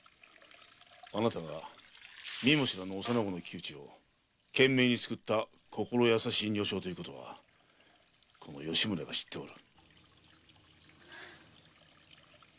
あなたが見も知らぬ幼子の窮地を懸命に救った心優しい女性ということはこの吉宗が知ってる。